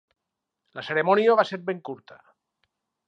La cerimònia va ser ben curta.